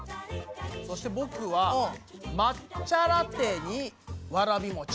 そしてぼくはまっちゃラテにわらびもち。